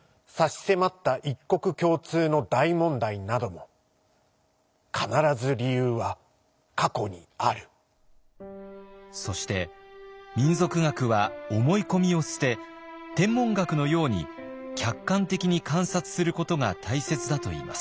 選挙がどういう訳でこの国ばかりそして民俗学は思い込みを捨て天文学のように客観的に観察することが大切だといいます。